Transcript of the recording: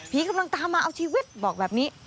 กำลังตามมาเอาชีวิตบอกแบบนี้